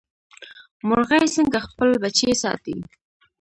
مورغۍ څنګه خپل بچي ساتي؟